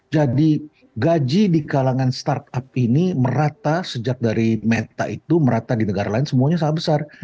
jadi gaji di kalangan startup ini merata sejak dari meta itu merata di negara lain semuanya sangat besar